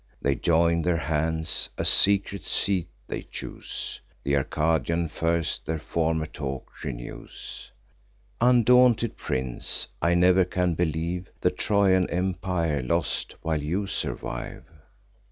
They join their hands; a secret seat they choose; Th' Arcadian first their former talk renews: "Undaunted prince, I never can believe The Trojan empire lost, while you survive.